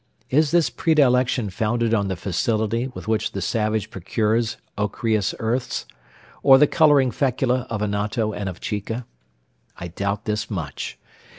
Is this predilection founded on the facility with which the savage procures ochreous earths, or the colouring fecula of anato and of chica? I doubt this much.